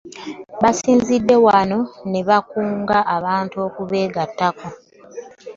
Basinzidde wano ne bakunga abantu okubeegattako.